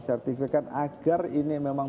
sertifikat agar ini memang